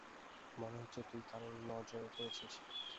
মনে হচ্ছে তুই কারো নজরে পড়েছিস।